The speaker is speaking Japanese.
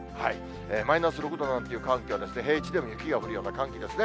マイナス６度なんという寒気は平地でも雪が降るような寒気ですね。